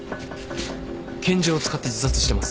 拳銃を使って自殺してます。